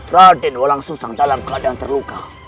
raden walang susang dalam keadaan terluka